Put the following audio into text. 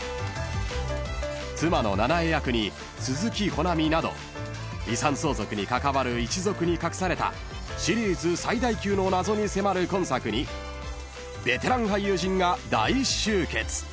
［妻のななえ役に鈴木保奈美など遺産相続に関わる一族に隠されたシリーズ最大級の謎に迫る今作にベテラン俳優陣が大集結］